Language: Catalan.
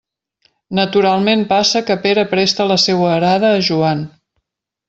Naturalment passa que Pere presta la seua arada a Joan.